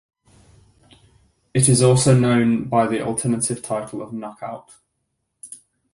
It is also known by the alternative title of Knock Out.